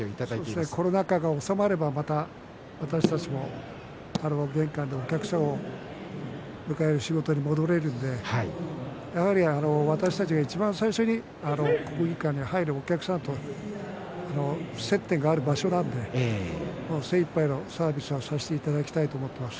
そうですね、コロナ禍が収まれば私たちも元気に玄関でお客様を迎える仕事に戻れるんですが私たちが最初に国技館に入るお客さんと接点がある場所なので精いっぱいのサービスをさせていただきたいと思います。